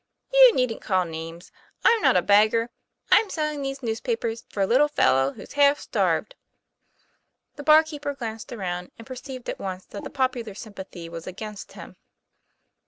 ' You needn't call names: I'm not a beggar. I'm selling these newspapers for a little fellow who's half starved." The barkeeper glanced around and perceived at once that the popular sympathy was against him.